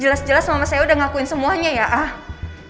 jelas jelas mama saya udah ngakuin semuanya ya ah